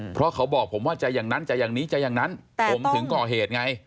เพราะเขาบอกผมว่าจะอย่างนั้นจะอย่างนี้จะอย่างนั้นผมถึงก่อเหตุไง